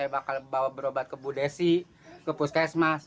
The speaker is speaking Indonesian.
bawa berobat ke budesi ke puskesmas